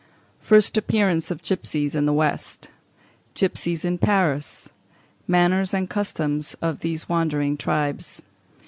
First Appearance of Gipsies in the West. Gipsies in Paris. Manners and Customs of these Wandering Tribes.